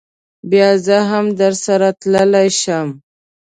بیا زه هم درسره تللی شم.